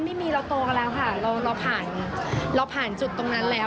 ไม่มีเราโตกันแล้วค่ะเราผ่านจุดตรงนั้นแล้ว